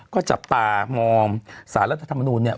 ก็จับตามองสารรัฐธรรมนูลเนี่ย